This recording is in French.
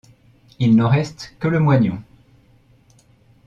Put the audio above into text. Il n’en reste que le moignon…